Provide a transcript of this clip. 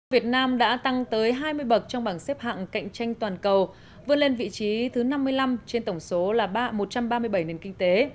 việt nam đã tăng tới hai mươi bậc trong bảng xếp hạng cạnh tranh toàn cầu vươn lên vị trí thứ năm mươi năm trên tổng số là một trăm ba mươi bảy nền kinh tế